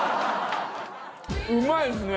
うまいですね！